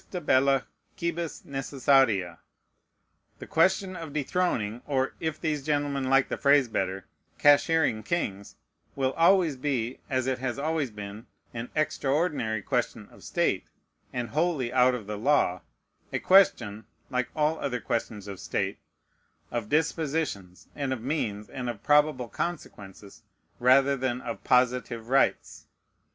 "Justa bella quibus NECESSARIA." The question of dethroning, or, if these gentlemen, like the phrase better, "cashiering kings," will always be, as it has always been, an extraordinary question of state, and wholly out of the law: a question (like all other questions of state) of dispositions, and of means, and of probable consequences, rather than of positive rights.